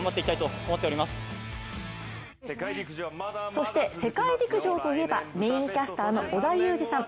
そして世界陸上といえばメインキャスターの織田裕二さん。